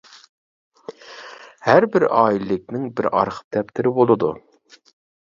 ھەر بىر ئائىلىلىكنىڭ بىر ئارخىپ دەپتىرى بولىدۇ.